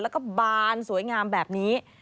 แล้วก็บานสวยงามแบบนี้